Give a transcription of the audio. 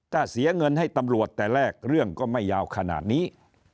ถ้าเสียเงินให้ตำรวจแต่แรกเรื่องก็ไม่ยาวขนาดนี้